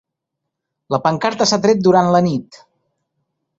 La pancarta s'ha tret durant la nit